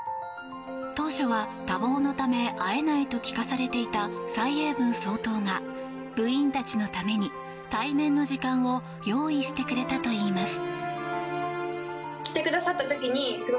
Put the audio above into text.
当初は、多忙のため会えないと聞かされていた蔡英文総統が部員たちのために対面の時間を用意してくれたといいます。